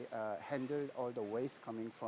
barang barang yang datang dari